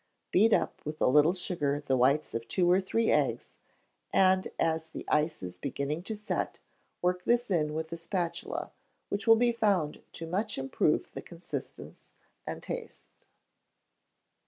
Beat up with a little sugar the whites of two or three eggs, and as the ice is beginning to set, work this in with the spatula, which will be found to much improve the consistence and taste.